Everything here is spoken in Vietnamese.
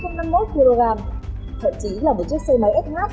thậm chí là một chiếc xe máy fh